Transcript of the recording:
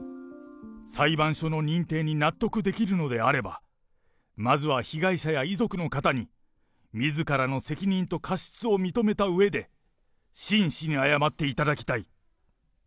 裁判所の認定に納得できるのであれば、まずは被害者や遺族の方にみずからの責任と過失を認めたうえで、真摯に謝っていただきたい。